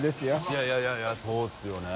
いやいやそうですよね。